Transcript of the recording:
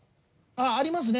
ありますね。